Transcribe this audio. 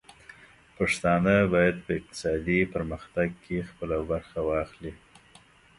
پښتانه بايد په اقتصادي پرمختګ کې خپله برخه واخلي.